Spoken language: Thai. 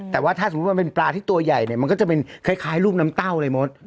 แต่ว่าถ้าสมมุติมันเป็นปลาที่ตัวใหญ่เนี่ยมันก็จะเป็นคล้ายลูกน้ำเต้าเลยมด